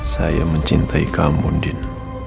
saya mencintai kamu din